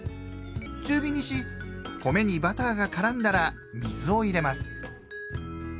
中火にし米にバターがからんだら水を入れます。